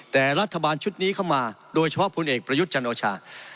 แต่รัฐบาลชุดนี้เข้ามาโดยเฉพาะพลเอกประยุทธ์จันโอชา